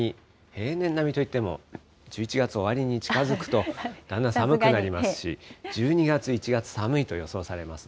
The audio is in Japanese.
平年並みといっても、１１月終わりに近づくとだんだん寒くなりますし、１２月、１月、寒いと予想されます。